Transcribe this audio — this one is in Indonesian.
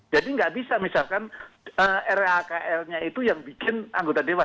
jadi nggak bisa misalkan rakl nya itu yang bikin anggota dewan